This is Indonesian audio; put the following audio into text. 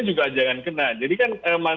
juga jangan kena jadi kan